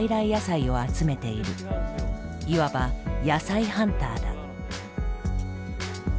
いわば野菜ハンターだ。